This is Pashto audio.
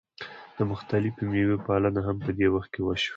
د مختلفو میوو پالنه هم په دې وخت کې وشوه.